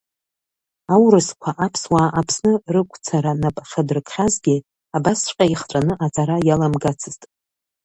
Аурысқәа аԥсуаа Аԥсны рықәцара нап шадыркхьазгьы, абасҵәҟьа ихҵәаны ацара иаламгацызт.